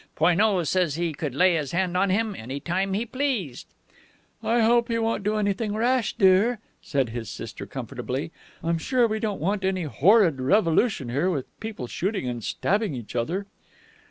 Poineau says he could lay his hand on him any time he pleased." "I hope you won't do anything rash, dear," said his sister comfortably. "I'm sure we don't want any horrid revolution here, with people shooting and stabbing each other."